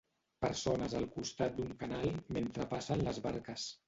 Persones al costat d'un canal mentre passen les barques